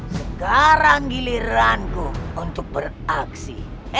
sekarang giliranku untuk beraksi